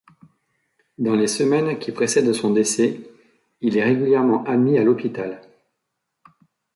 Dans les semaines qui précèdent son décès, il est régulièrement admis à l'hôpital.